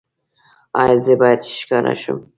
ایا زه باید ښکاره شم؟